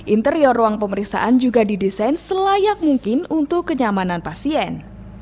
interior ruang pemeriksaan juga didesain selayak mungkin untuk kenyamanan pasien